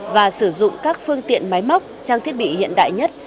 và sử dụng các phương tiện máy móc trang thiết bị hiện đại nhất